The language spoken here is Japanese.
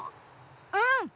うん！